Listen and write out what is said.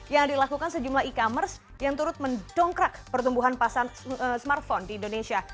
yang dilakukan sejumlah e commerce yang turut mendongkrak pertumbuhan pasar smartphone di indonesia